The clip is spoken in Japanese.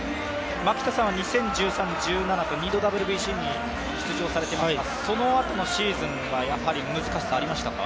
牧田さんは２０１３、２０１７年と２度、ＷＢＣに出場されていますがそのあとのシーズンはやはり難しさ、ありましたか。